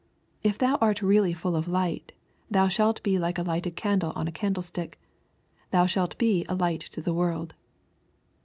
If thou art really full of light, thou shalt be like a lighted candle on a candlestick. Thou shalt be a light to the world.